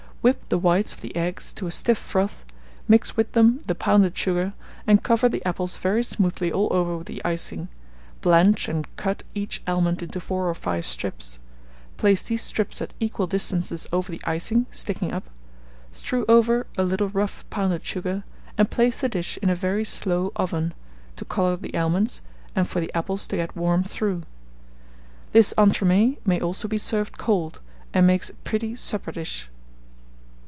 Whip the whites of the eggs to a stiff froth, mix with them the pounded sugar, and cover the apples very smoothly all over with the icing; blanch and cut each almond into 4 or 5 strips; place these strips at equal distances over the icing sticking up; strew over a little rough pounded sugar, and place the dish in a very slow oven, to colour the almonds, and for the apples to get warm through. This entremets may also be served cold, and makes a pretty supper dish.